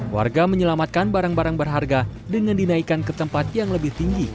warga menyelamatkan barang barang berharga dengan dinaikkan ke tempat yang lebih tinggi